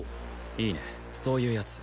いいねそういうやつ